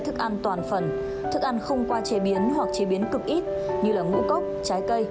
thức ăn toàn phần thức ăn không qua chế biến hoặc chế biến cực ít như ngũ cốc trái cây